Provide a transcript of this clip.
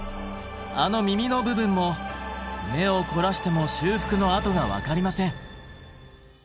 あの耳の部分も目を凝らしても修復の跡が分かりません。